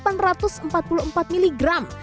dan bisa mencapai delapan ratus empat puluh empat miligram